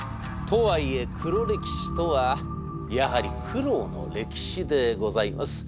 とはいえ黒歴史とはやはり「苦労の歴史」でございます。